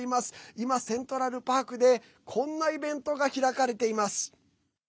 今、セントラルパークでこんなイベントが開かれています。